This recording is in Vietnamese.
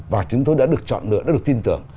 và chúng tôi đã được chọn lựa đã được tin tưởng